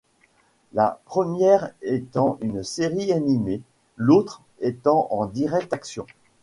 La première étant une série animée, l’autre étant en direct-action.